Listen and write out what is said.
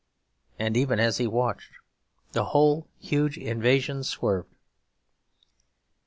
And even as he watched the whole huge invasion swerved.